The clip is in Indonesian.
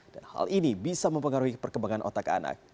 dan hal ini bisa mempengaruhi perkembangan otak anak